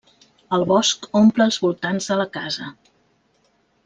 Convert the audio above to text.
El bosc omple els voltants de la casa.